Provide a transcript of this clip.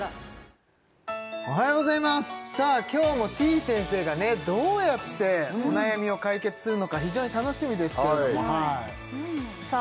おはようございますさあ今日もてぃ先生がねどうやってお悩みを解決するのか非常に楽しみですけれどもさあ